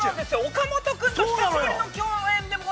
岡本君と久しぶりの共演です。